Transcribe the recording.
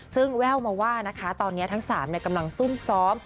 ซึ่งแววมาว่านะคะตอนนี้ทั้ง๓กำลังซุ่มซ้อม